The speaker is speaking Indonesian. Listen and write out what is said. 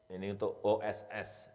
ini untuk oss